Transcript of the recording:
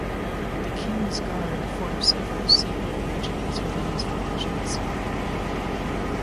The King's Guard form several separate regiments within these formations.